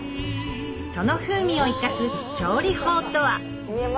その風味を生かす調理法とは？